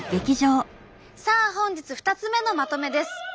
さあ本日２つ目のまとめです。